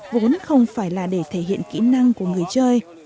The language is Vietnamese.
vốn không phải là để thể hiện kỹ năng của người chơi